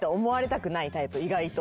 意外と。